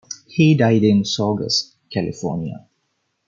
He died in Saugus, California.